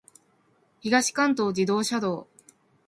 東関東自動車道